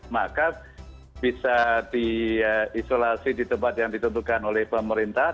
maka bisa diisolasi di tempat yang ditentukan oleh pemerintah